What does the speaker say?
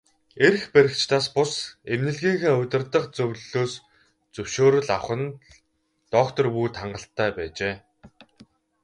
Эрх баригчдаас бус, эмнэлгийнхээ удирдах зөвлөлөөс зөвшөөрөл авах нь л доктор Вүд хангалттай байжээ.